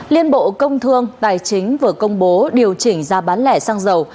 liên bộ công thương tài chính vừa công bố điều chỉnh giá bán lẻ xăng dầu